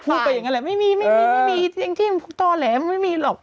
พูดไปอย่างนั้นแหละไม่มีไม่มีจริงต่อแหลมไม่มีหรอก